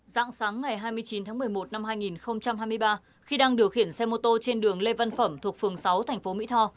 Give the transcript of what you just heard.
giãn sáng ngày hai mươi chín tháng một mươi một năm hai nghìn hai mươi ba khi đang điều khiển xe mô tô trên đường lê văn phẩm thuộc phường sáu thành phố mỹ tho